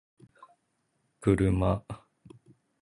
kuruma